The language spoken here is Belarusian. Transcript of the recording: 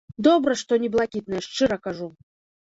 Добра, што не блакітныя, шчыра кажу.